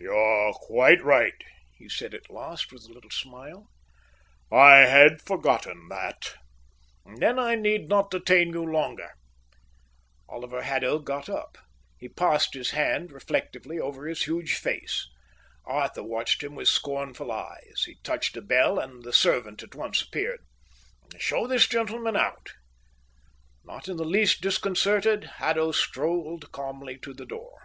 "You're quite right," he said at last, with a little smile. "I had forgotten that." "Then I need not detain you longer." Oliver Haddo got up. He passed his hand reflectively over his huge face. Arthur watched him with scornful eyes. He touched a bell, and the servant at once appeared. "Show this gentleman out." Not in the least disconcerted, Haddo strolled calmly to the door.